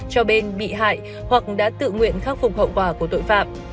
cho bên bị hại hoặc đã tự nguyện khắc phục hậu quả của tội phạm